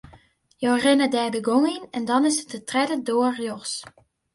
Jo rinne dêr de gong yn en dan is it de tredde doar rjochts.